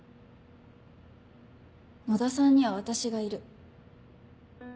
野田さんには私がいる。